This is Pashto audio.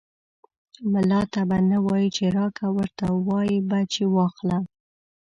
ملا ته به نه وايي چې راکه ، ورته وايې به چې واخله.